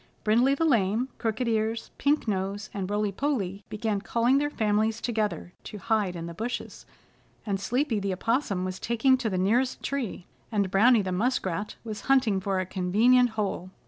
Brindley the Lame, Crooked Ears, Pink Nose and Rolly Polly began calling their families together to hide in the bushes, and Sleepy the Opossum was taking to the nearest tree, and Browny the Muskrat was hunting for a convenient hole.